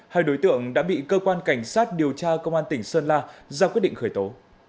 hai đối tượng đã bị cơ quan cảnh sát điều tra công an tỉnh sơn la ra quyết định khởi tố